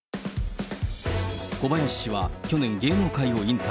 小林氏は去年、芸能界を引退。